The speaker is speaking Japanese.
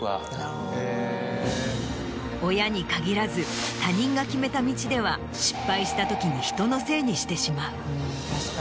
親に限らず他人が決めた道では失敗したときに人のせいにしてしまう。